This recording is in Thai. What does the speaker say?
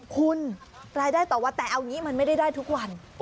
คุณรายได้ต่อวันแต่เอาอย่างนี้มันไม่ได้ได้ทุกวัน